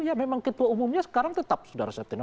ya memang ketua umumnya sekarang tetap sudara steno panto